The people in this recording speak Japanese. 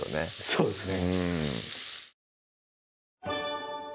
そうですね